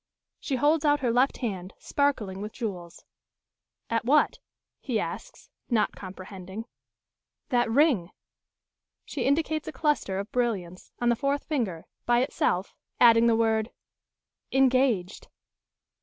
She holds out her left hand, sparkling with jewels. "At what?" he asks, not comprehending. "That ring." She indicates a cluster of brilliants, on the fourth finger, by itself, adding the word "Engaged."